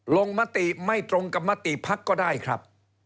ลงมติไม่ตรงกับมติพักก็ได้ครับ